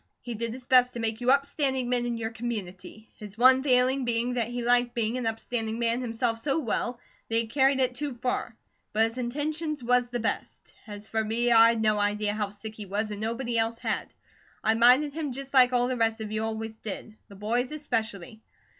He did his best to make you upstanding men in your community, his one failing being that he liked being an upstanding man himself so well that he carried it too far; but his intentions was the best. As for me, I'd no idea how sick he was, and nobody else did. I minded him just like all the rest of you always did; the BOYS especially.